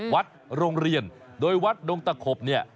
วัดโรงเรียนโดยวัดดงตะขบเนี่ย